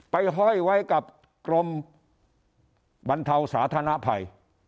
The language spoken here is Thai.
ห้อยไว้กับกรมบรรเทาสาธารณภัย